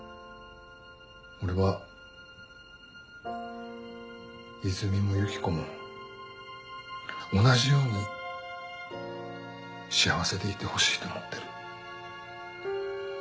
俺はイズミもユキコも同じように幸せでいてほしいと思ってる。